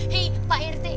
hei pak rt